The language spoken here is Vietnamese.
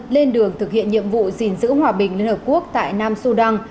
lên đường thực hiện nhiệm vụ gìn giữ hòa bình liên hợp quốc tại nam sô đăng